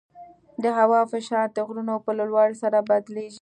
د هوا فشار د غرونو په لوړوالي سره بدلېږي.